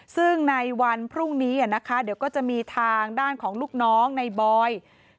ซึ่งในวันพรุ่งนี้นะคะเดี๋ยวก็จะมีทางด้านของลูกน้องในบอย